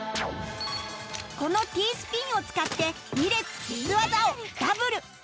この Ｔ スピンを使って２列消す技をダブル